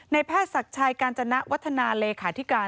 ในแพทย์ศักดิ์ชายการจนะวัฒนาเลขาที่การ